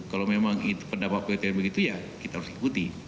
kalau memang pendapat pytn begitu ya kita harus ikuti